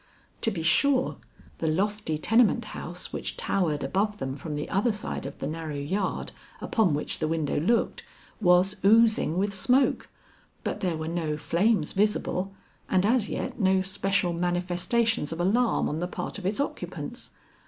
To be sure, the lofty tenement house which towered above them from the other side of the narrow yard upon which the window looked, was oozing with smoke, but there were no flames visible, and as yet no special manifestations of alarm on the part of its occupants.